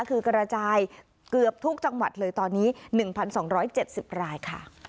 คือกระจายเกือบทุกจังหวัดเลยตอนนี้๑๒๗๐รายค่ะ